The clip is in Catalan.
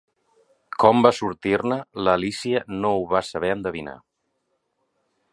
Com van sortir-ne, l'Alícia no ho va saber endevinar.